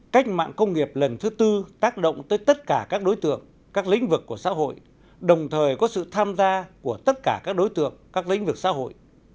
cách mạng công nghiệp lần thứ tư tác động tới tất cả các đối tượng các lĩnh vực của xã hội đồng thời có sự tham gia của tất cả các đối tượng các lĩnh vực xã hội